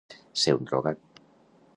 Ser un drogat.